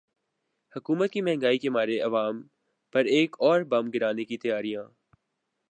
حکومت کی مہنگائی کے مارے عوام پر ایک اور بم گرانے کی تیاریاں